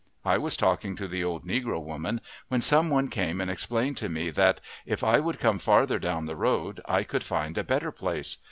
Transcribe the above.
I was talking to the old negro woman, when some one came and explained to me that, if I would come farther down the road, I could find a better place.